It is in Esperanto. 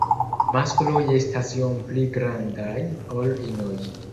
Maskloj estas iom pli grandaj ol inoj.